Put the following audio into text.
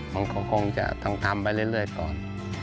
มันก็คงจะต้องทำไปเรื่อยก่อน